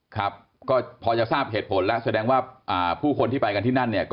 ครับก็พอจะทราบเหตุผลแล้วแสดงว่าผู้คนที่ไปกันที่นั่นเนี่ย